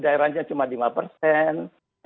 daerahnya cuma lima persen